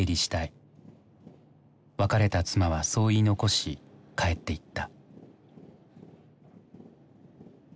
別れた妻はそう言い残し帰っていった。